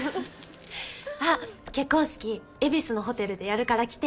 あっ結婚式恵比寿のホテルでやるから来て。